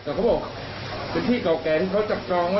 มันคือพี่เก่าแก่ที่เค้าจับจองไว้